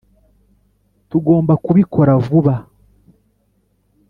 tugomba kubikora vuba.